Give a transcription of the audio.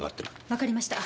わかりました。